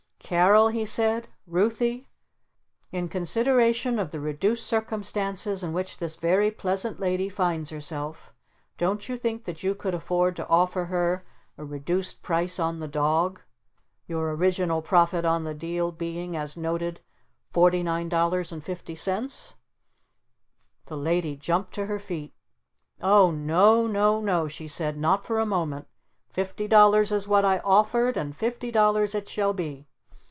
"Carol!" he said. "Ruthy! In consideration of the reduced circumstances in which this very pleasant Lady finds herself don't you think that you could afford to offer her a reduced price on the dog, your original profit on the deal being as noted $49.50?" The Lady jumped to her feet. "Oh no no no!" she said. "Not for a moment! Fifty dollars is what I offered! And fifty dollars it shall be!